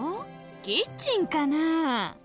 キッチンかなあ